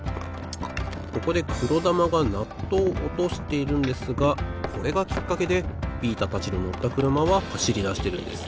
ここでくろだまがナットをおとしているんですがこれがきっかけでビータたちののったくるまははしりだしてるんです。